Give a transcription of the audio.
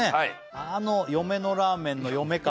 あの嫁のラーメンの嫁感